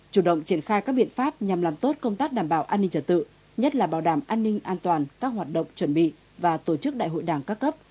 chủ động triển khai các biện pháp nhằm làm tốt công tác đảm bảo an ninh trật tự nhất là bảo đảm an ninh an toàn các hoạt động chuẩn bị và tổ chức đại hội đảng các cấp